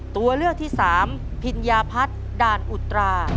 ตัวเลือกที่สามพิญญาพัฒน์ด่านอุตรา